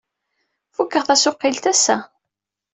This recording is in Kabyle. Fukeɣ tasuqqilt ass-a.